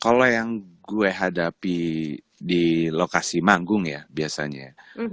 kalau yang gue hadapi di lokasi manggung ya biasanya